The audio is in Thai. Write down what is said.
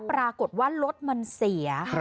ปรากฏว่ารถมันเสีย